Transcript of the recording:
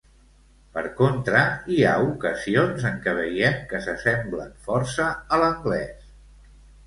Per contra, hi ha ocasions en què veiem que s'assemblen força a l'anglès.